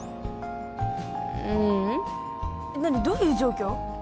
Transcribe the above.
ううん何どういう状況？